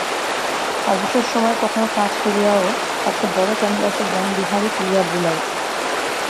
অবসর সময়ে, কখনো কাজ ফেলিয়াও একটা বড় ক্যানভাসে বনবিহারী তুলি বুলায়।